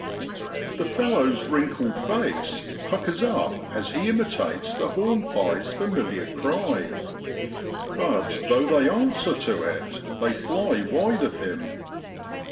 The fellow's wrinkled face puckers up as he imitates the hornpie's familiar cry. But though they answer to it, they fly wide of him.